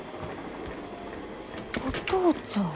お父ちゃん。